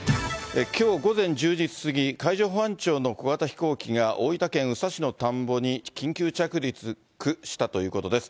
きょう午前１０時過ぎ、海上保安庁の小型飛行機が、大分県宇佐市の田んぼに緊急着陸したということです。